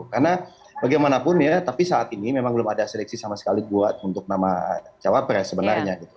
karena bagaimanapun ya tapi saat ini memang belum ada seleksi sama sekali buat untuk nama jawabnya sebenarnya gitu